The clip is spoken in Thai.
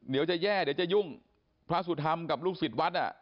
เดี๋ยวจะแย่เดี๋ยวจะยุ่งพระสุธรรมกับลูกศิษย์วัดอ่ะ